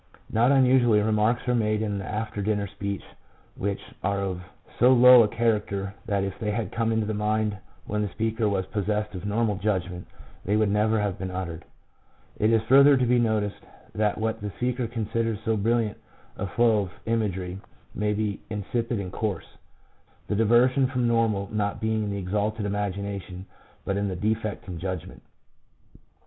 Not unusually remarks are made in the after dinner speech which are of so low a character that if they had come into the mind when the speaker was possessed of normal judgment, they would never have been uttered. It is further to be noticed that what the speaker considers so brilliant a flow of imagery may be insipid and coarse, the diversion from normal not being in the exalted imagination, but in the defect in judgment.